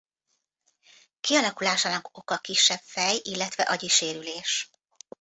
Kialakulásának oka kisebb fej- illetve agyi sérülés.